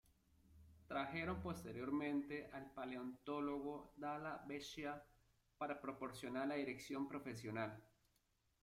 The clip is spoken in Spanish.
Trajeron posteriormente al paleontólogo Dalla Vecchia para proporcionar la dirección profesional.